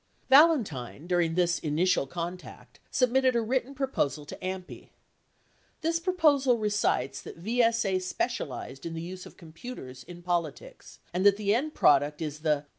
Valentine, during this initial contact, submitted a written proposal to AMPI. 8 This proposal recites that VSA specialized in the use of computers in politics and that the end product is the